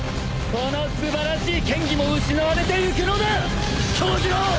この素晴らしい剣技も失われてゆくのだ杏寿郎！